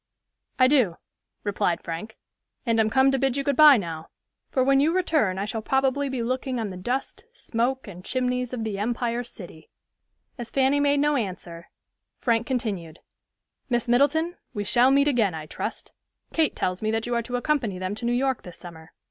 "I do," replied Frank, "and am come to bid you good by now; for when you return I shall probably be looking on the dust, smoke and chimneys of the Empire City." As Fanny made no answer, Frank continued, "Miss Middleton, we shall meet again, I trust. Kate tells me that you are to accompany them to New York this summer.